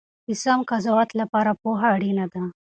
د سم قضاوت لپاره پوهه اړینه ده.